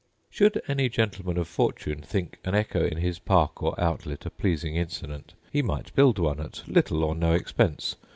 Should any gentleman of fortune think an echo in his park or outlet a pleasing incident, he might build one at little or no expense.